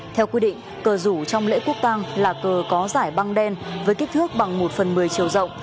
theo quy định cờ rủ trong lễ quốc tàng là cờ có giải băng đen với kích thước bằng một phần một mươi chiều rộng